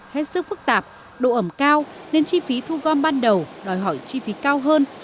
hết sức phức tạp độ ẩm cao nên chi phí thu gom ban đầu đòi hỏi chi phí cao hơn